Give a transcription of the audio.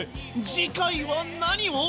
次回は何を？